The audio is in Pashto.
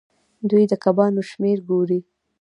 دوی د کبانو شمیر ګوري.